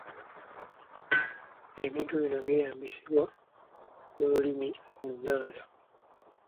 Ebintu bino byeyambisibwa mu lulimi Oluganda.